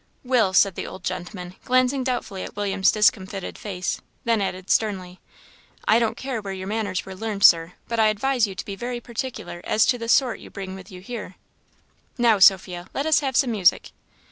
"Will," said the old gentleman, glancing doubtfully at William's discomfited face; then added, sternly, "I don't care where your manners were learned, Sir, but I advise you to be very particular as to the sort you bring with you here. Now, Sophia, let us have some music."